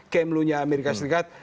kemlunya amerika serikat